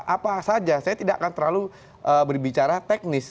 apa saja saya tidak akan terlalu berbicara teknis